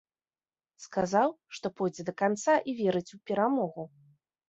Сказаў, што пойдзе да канца і верыць у перамогу.